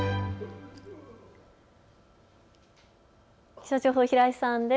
気象情報、平井さんです。